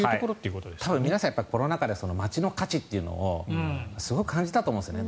多分皆さん、コロナ禍で街の価値というのをすごく感じたと思うんですね。